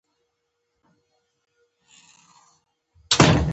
د هوا ککړتیا د ژوند کیفیت کموي.